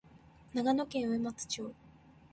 長野県上松町